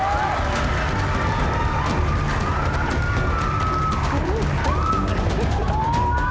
แล้วพอมาจับตู้ก็อึงไปเลย